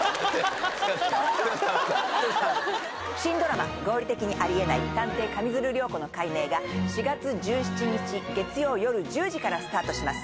新ドラマ「合理的にあり得ない探偵・上水流涼子の解明」が４月１７日月曜よる１０時からスタートします。